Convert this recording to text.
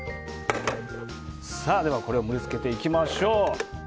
これを盛り付けていきましょう。